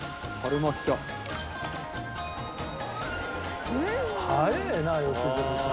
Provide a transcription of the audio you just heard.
早えな良純さん。